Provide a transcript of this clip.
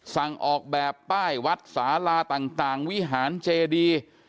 สั่งออกแบบป้ายวัดสาลาต่างวิหารเจดี